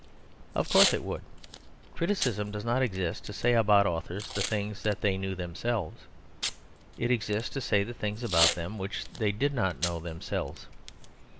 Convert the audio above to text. Of course it would. Criticism does not exist to say about authors the things that they knew themselves. It exists to say the things about them which they did not know themselves.